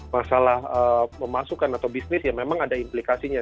masalah pemasukan atau bisnis ya memang ada implikasinya